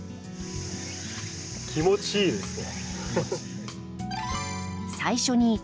気持ちいいですね。